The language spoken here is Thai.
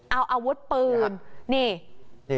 เอาอาวุธปืนนี่